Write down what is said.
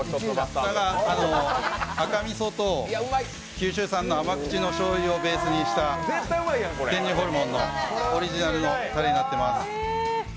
赤みそと、九州特有のしょうゆがベースの天神ホルモンのオリジナルのたれになってます。